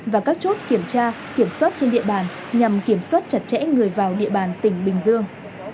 và các chốt kiểm tra kiểm soát trên địa bàn nhằm kiểm soát chặt chẽ người vào địa bàn tỉnh bình dương